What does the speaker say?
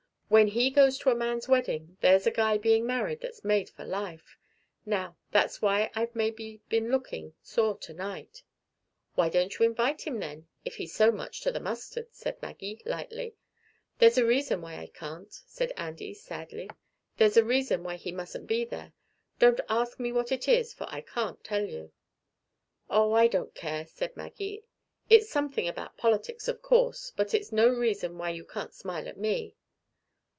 When he goes to a man's wedding there's a guy being married that's made for life. Now, that's why I've maybe been looking sore to night." "Why don't you invite him, then, if he's so much to the mustard?" said Maggie lightly. "There's a reason why I can't," said Andy sadly. "There's a reason why he mustn't be there. Don't ask me what it is, for I can't tell you." "Oh, I don't care," said Maggie. "It's something about politics, of course. But it's no reason why you can't smile at me."